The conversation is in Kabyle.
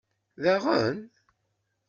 Daɣen?